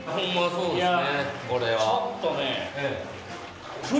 そうですね。